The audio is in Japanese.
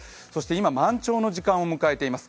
今、満潮の時間を迎えています。